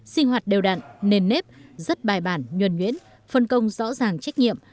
sinh hoạt đều đạn nền nếp rất bài bản nhuần nhuyễn phân công rõ ràng trách nhiệm